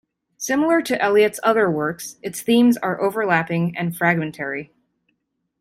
Similar to Eliot's other works, its themes are overlapping and fragmentary.